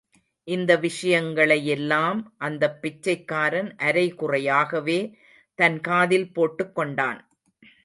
இந்த விஷயங்களையெல்லாம் அந்தப் பிச்சைக்காரன் அரைகுறையாகவே தன் காதில் போட்டுக் கொண்டான்.